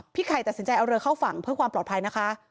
ไข่ตัดสินใจเอาเรือเข้าฝั่งเพื่อความปลอดภัยนะคะ